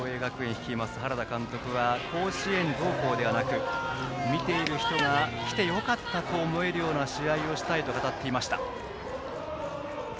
率います原田監督は甲子園どうこうではなく見ている人が来てよかったと思えるような試合をしたいと語っていました。